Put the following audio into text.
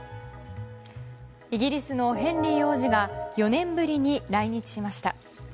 イギリスのヘンリー王子が４年ぶりに来日しました。